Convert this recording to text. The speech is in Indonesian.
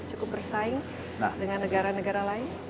cukup bersaing dengan negara negara lain